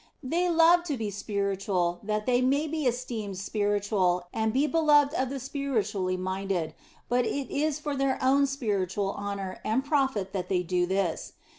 They love to be spiritual that they may be esteemed spiritual and be be loved of the spiritually minded, but it is for their own spiritual honour and profit that they do this.